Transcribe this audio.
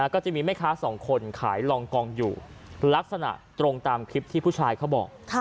ก็จะมีแม่ค้าสองคนขายลองกองอยู่ลักษณะตรงตามคลิปที่ผู้ชายเขาบอก